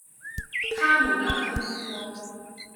他滿眼兇光，